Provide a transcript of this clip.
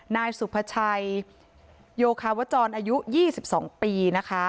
นายสุภชัยโยคระวัตติส์จอนอายุ๒๒ปี